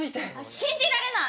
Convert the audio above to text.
信じられない！